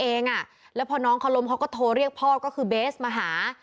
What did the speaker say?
เองอ่ะแล้วพอน้องเขาล้มเขาก็โทรเรียกพ่อก็คือเบสมาหา